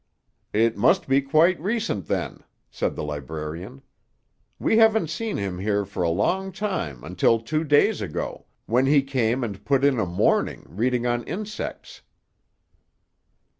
"It must be quite recent, then," said the librarian. "We haven't seen him here for a long time until two days ago, when he came and put in a morning, reading on insects."